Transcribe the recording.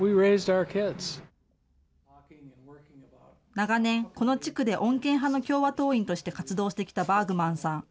長年、この地区で穏健派の共和党員として活動してきたバーグマンさん。